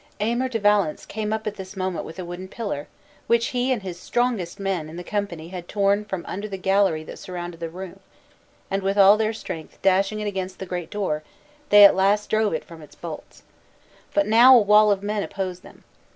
Aymer de Valence came up at this moment with a wooden pillar, which he and his strongest men in the company had torn from under the gallery that surrounded the room, and with all their strength dashing it against the great door, they at last drove it from its bolts. But now a wall of men opposed them.